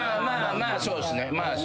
まあそうですね。